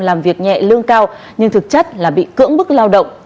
làm việc nhẹ lương cao nhưng thực chất là bị cưỡng bức lao động